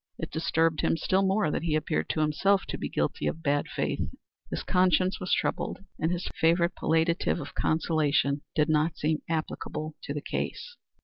It disturbed him still more that he appeared to himself to be guilty of bad faith. His conscience was troubled, and his favorite palliative of conciliation did not seem applicable to the case.